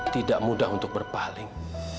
tidak mudah untuk berpaling